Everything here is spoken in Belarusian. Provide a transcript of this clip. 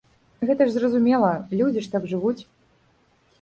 Гэта ж зразумела, людзі ж так жывуць.